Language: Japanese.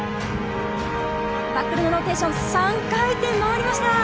バックルのローテーション、３回転、回りました。